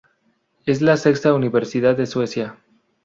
Es la sexta universidad de Suecia.